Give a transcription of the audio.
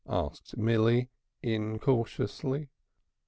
asked Milly, incautiously.